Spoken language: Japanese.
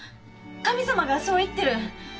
神様がそう言ってる。